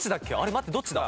待ってどっちだ？